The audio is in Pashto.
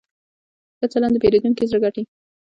ښه چلند د پیرودونکي زړه ګټي.